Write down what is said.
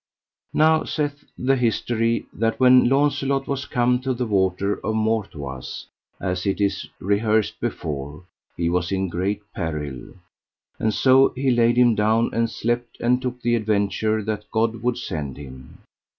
Now saith the history, that when Launcelot was come to the water of Mortoise, as it is rehearsed before, he was in great peril, and so he laid him down and slept, and took the adventure that God would send him.